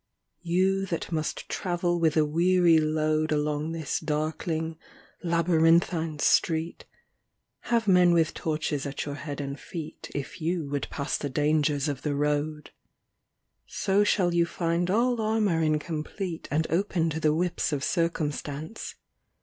v You that must travel with a weary load Along this darkling, labyrinthine street Have men with torches at your head and feet If you would pass the dangers of the road. VI So shall you find all armour incomplete And open to the whips, of circumstance.